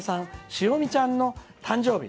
しおみちゃんの誕生日。